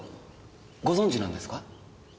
ご存じなんですか？